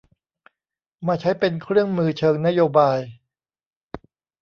มาใช้เป็นเครื่องมือเชิงนโยบาย